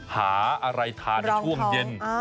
หาอะไรทานในช่วงเย็น